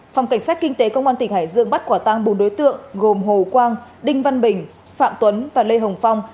phòng cảnh sát kinh tế công an tỉnh hải dương bắt quả tăng bốn đối tượng gồm hồ quang đinh văn bình phạm tuấn và lê hồng phong